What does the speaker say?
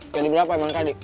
jadi berapa emang tadi